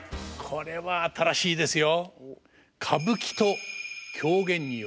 これは新しいですよ。